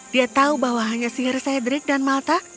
dia tahu bahwa hanya sihir cedrik dan malta